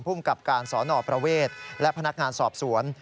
ภูมิกับการสนประเวทและพนักงานสอบสวน